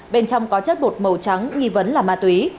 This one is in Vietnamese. bên trong có chất bột màu trắng nghi vấn là ma túy